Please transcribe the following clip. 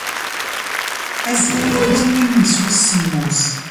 Azekka d amulli-nnes wis semmus.